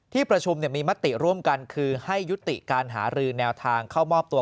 ที่ประชุมมีมติร่วมกันคือให้ยุติการหารือแนวทางเข้ามอบตัว